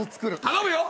頼むよ。